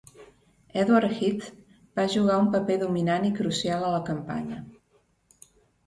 Edward Heath va jugar un paper dominant i crucial a la campanya.